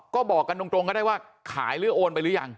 ก็บอกกันตรงก็ได้ว่าขายหรือโอนไปหรือยัง